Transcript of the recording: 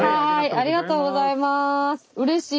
ありがとうございます。